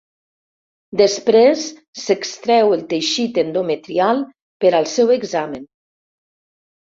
Després s'extrau el teixit endometrial per al seu examen.